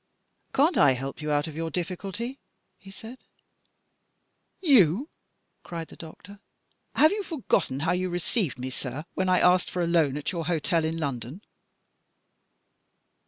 "Can't I help you out of your difficulty?" he said. "You!" cried the doctor. "Have you forgotten how you received me, sir, when I asked for a loan at your hotel in London?"